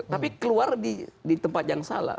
tapi keluar di tempat yang salah